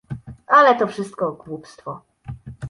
"Ale to wszystko głupstwo."